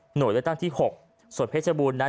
เลือกตั้งที่๖ส่วนเพชรบูรณนั้น